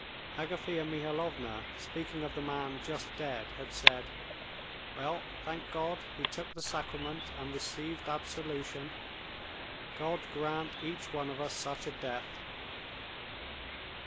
Agafea Mihalovna, speaking of the man just dead, had said: "Well, thank God, he took the sacrament and received absolution; God grant each one of us such a death."